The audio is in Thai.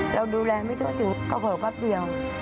เราดูแลไม่ได้ถึงกระเผิกแป๊บเดียว